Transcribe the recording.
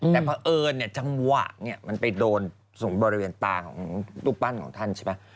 แต่พอเอิญเนี่ยจังหวะเนี่ยมันไปโดนส่วนบริเวณตาของตู้ปั้นของท่านใช่ไหม